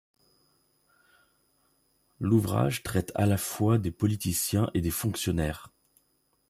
L'ouvrage traite à la fois des politiciens et des fonctionnaires.